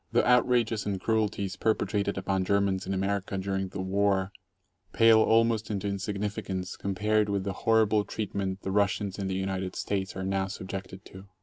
The outrages and cruelties perpetrated upon Germans in America during the war pale almost into insignificance compared with the horrible treat ment the Russians in the United States are now subjected to.